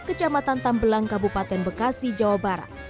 kecamatan tambelang kabupaten bekasi jawa barat